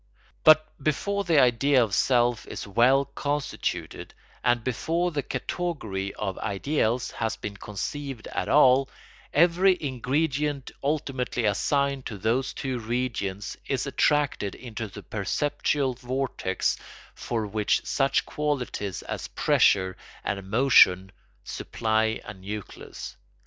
But before the idea of self is well constituted and before the category of ideals has been conceived at all, every ingredient ultimately assigned to those two regions is attracted into the perceptual vortex for which such qualities as pressure and motion supply a nucleus.